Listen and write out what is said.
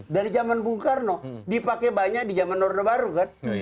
dari zaman bung karno dipakai banyak di zaman orde baru kan